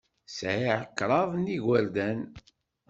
Sɛiɣ kraḍ n yigerdan.